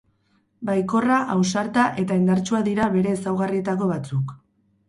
Baikorra, ausarta eta indartsua dira bere ezaugarrietako batzuk.